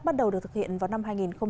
bắt đầu được thực hiện vào năm hai nghìn bảy